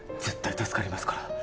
絶対助かりますから。